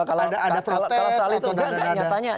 kalau soal itu enggak enggak